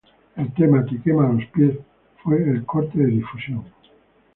El tema "Te quema los pies" fue el corte de difusión.